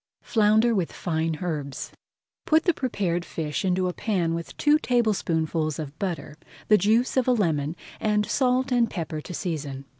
FLOUNDER WITH FINE HERBS Put the prepared fish into a pan with two tablespoonfuls of butter, the juice of a lemon, and salt and pepper to season.